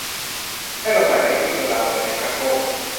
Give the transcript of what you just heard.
ให้เราใส่เบกกิ้งโซดาลงไปในชักโครก